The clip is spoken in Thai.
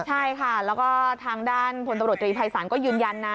ใช่ค่ะแล้วก็ทางด้านพลตำรวจตรีภัยศาลก็ยืนยันนะ